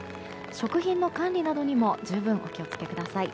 食品の管理などにも十分お気をつけください。